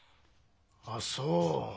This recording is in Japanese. あっそう。